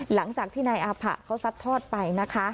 หลังจากที่นายอาผะเขาซัดทอดไปนะคะ